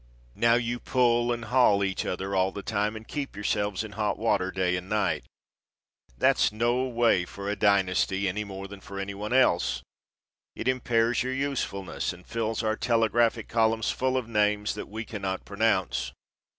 Now you pull and haul each other all the time and keep yourselves in hot water day and night. That's no way for a dynasty any more than any one else. It impairs your usefulness and fills our telegraphic columns full of names that we can not pronounce.